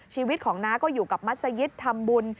ชีวิตของน้าก็อยู่กับมัศยิตทำบุญ